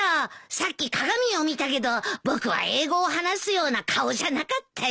さっき鏡を見たけど僕は英語を話すような顔じゃなかったよ。